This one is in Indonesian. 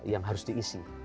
yang harus diisi